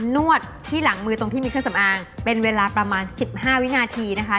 นวดที่หลังมือตรงที่มีเครื่องสำอางเป็นเวลาประมาณ๑๕วินาทีนะคะ